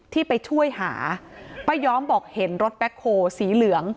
ที่ไปช่วยหาป้าย้อมบอกเห็นรถแบ็คโฮสีเหลือง